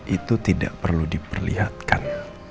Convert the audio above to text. itu tidak perlu diperlihatkan